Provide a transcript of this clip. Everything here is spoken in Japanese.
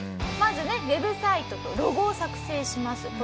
まずウェブサイトとロゴを作成します。